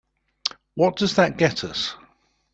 What does that get us?